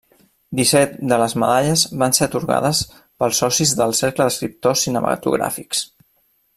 Disset de les medalles van ser atorgades pels socis del Cercle d'Escriptors Cinematogràfics.